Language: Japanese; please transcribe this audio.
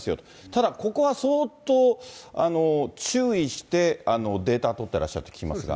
ただ、ここは相当注意して、データ取ってらっしゃると聞きますが。